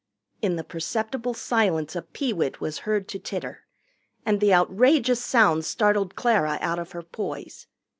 In the perceptible silence a Peewit was heard to titter, and the outrageous sound startled Clara out of her poise.